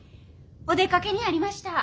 お出かけになりました。